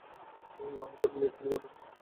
আমার মনে হয়েছে আপনার স্ত্রীর কথা।